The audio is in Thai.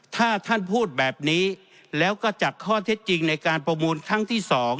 ถ้าท่านพูดแบบนี้แล้วก็จัดข้อเท็จจริงในการประมูลครั้งที่๒